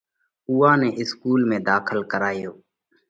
اُوئا نئہ اسڪُول ۾ ڌاخل ڪرِيه۔